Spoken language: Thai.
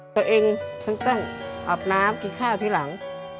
ตัวเองฉันต้องอาบน้ำกินข้าวที่หลัง